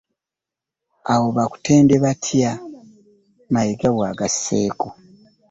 Olwo bakutende batya? Mayiga bw'agasseeko